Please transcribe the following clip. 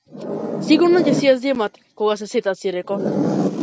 Сигурно ќе си ја земат, кога ќе се сетат, си реков.